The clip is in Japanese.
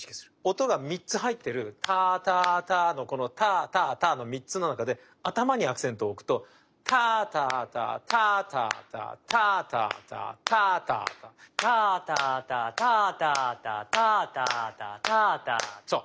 音が３つ入ってるタタタのこのタタタの３つの中で頭にアクセントを置くとタタタタタタタタタタタタタタタタタタタタタタタタそう。